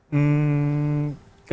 hmm kalau untuk spesifiknya